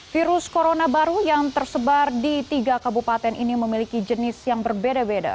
virus corona baru yang tersebar di tiga kabupaten ini memiliki jenis yang berbeda beda